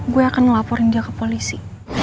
gue akan melaporin dia ke polisi